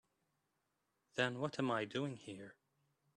Then what am I doing here?